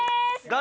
誰？